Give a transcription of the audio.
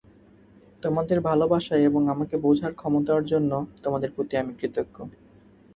তোমাদের ভালোবাসা এবং আমাকে বোঝার ক্ষমতার জন্য তোমাদের প্রতি আমি কৃতজ্ঞ।